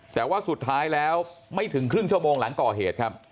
แต่ว่าสุดท้ายแล้วไม่ถึงครึ่งชั่วโมงหลังก่อเหตุครับ